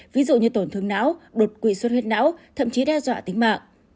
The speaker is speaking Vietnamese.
ví dụ như tổn thương não đột quỵ suất huyết não thậm chí đe dọa tính mạng